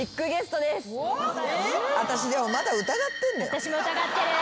私も疑ってる。